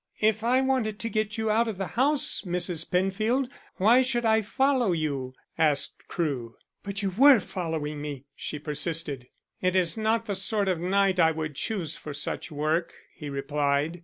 "If I wanted to get you out of the house, Mrs. Penfield, why should I follow you?" asked Crewe. "But you were following me," she persisted. "It is not the sort of night I would choose for such work," he replied.